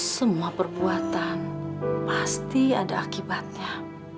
semua perbuatan pasti ada akibatnya